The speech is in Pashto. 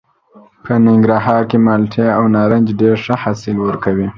په ننګرهار کې مالټې او نارنج ډېر ښه حاصل ورکوي.